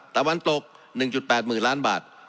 ตะวันตก๑๘๐๐๐ล้านบาท